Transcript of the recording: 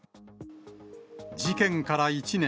事件から１年。